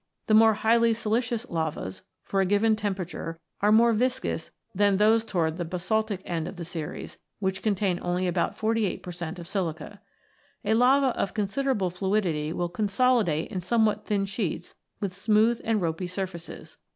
The more highly siliceous lavas, for a given tempera ture, are more viscous than those towards the basaltic end of the series, which contain only about 48 per cent, of silica. A lava of considerable fluidity will consolidate in somewhat thin sheets with smooth and ropy surfaces.